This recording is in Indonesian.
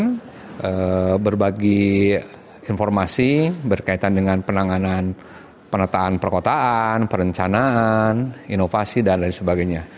dan berbagi informasi berkaitan dengan penanganan penetaan perkotaan perencanaan inovasi dan lain sebagainya